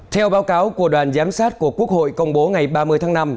theo báo cáo của đoàn giám sát của quốc hội công bố ngày ba mươi tháng năm